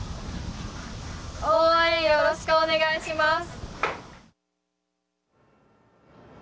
応援よろしくお願いします。